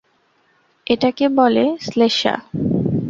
এটাকে বলে শ্লেষ্মা!